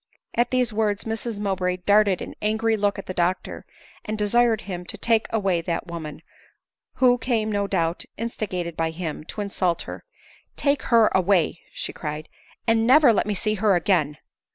At these words Mrs Mowbray darted an angry look at the doctor, and desired him to take away that woman f who came, no doubt instigated by him,' to insult her* " Take her away," she cried, " and never let me see her again."